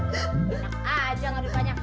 enak aja jangan dipanyak